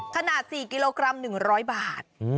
ขนาด๔กิโลกรัม๑๐๐บาท